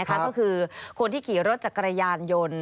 ก็คือคนที่ขี่รถจักรยานยนต์